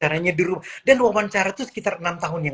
orang orang bukan kemana mana